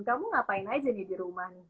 kamu ngapain aja nih di rumah nih